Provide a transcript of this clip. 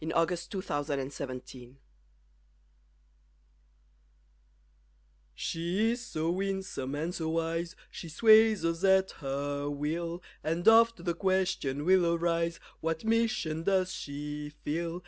She Just Keeps House For Me She is so winsome and so wise She sways us at her will, And oft the question will arise What mission does she fill?